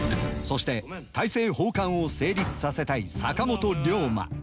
そして大政奉還を成立させたい坂本龍馬。